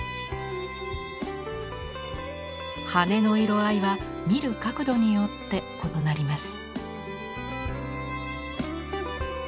羽根の色合いは見る角度によって異なります。